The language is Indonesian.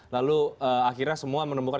lalu akhirnya semua menemukan